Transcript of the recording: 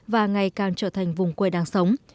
và ngày càng trở thành vùng quê đáng sống